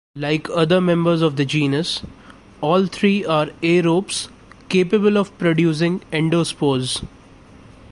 Like other members of the genus, all three are aerobes capable of producing endospores.